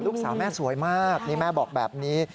ลูกสาวแม่สวยมากนี่แม่บอกแบบนี้